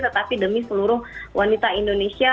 tetapi demi seluruh wanita indonesia